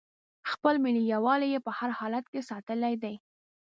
خپل ملي یووالی یې په هر حالت کې ساتلی دی.